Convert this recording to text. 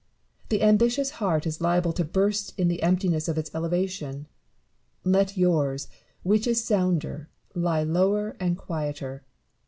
The ambitious heart is liable to burst in the emptiness of its elevation : let yours, which is sounder, lie lower and quieter.